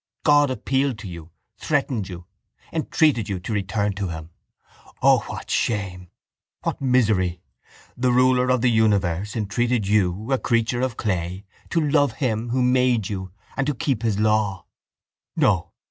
God appealed to you, threatened you, entreated you to return to Him. O, what shame, what misery! The Ruler of the universe entreated you, a creature of clay, to love Him Who made you and to keep His law. No.